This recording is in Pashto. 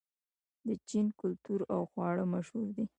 د چین کلتور او خواړه مشهور دي.